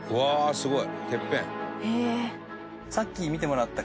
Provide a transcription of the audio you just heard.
すごい。